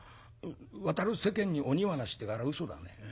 『渡る世間に鬼はなし』ってあれうそだね。